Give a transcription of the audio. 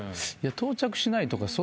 いや到着しないとか